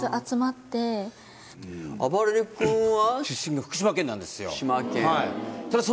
あばれる君は？